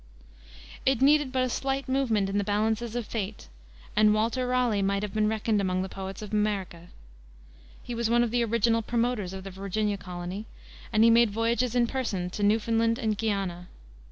It needed but a slight movement in the balances of fate, and Walter Raleigh might have been reckoned among the poets of America. He was one of the original promoters of the Virginia colony, and he made voyages in person to Newfoundland and Guiana.